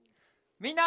みんな。